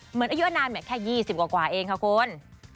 เหมือนอายุอ่านานแค่ยี่สิบกว่าเองค่ะคุณ